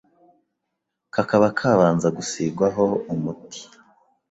kakaba kabanza gusigwa ho umuti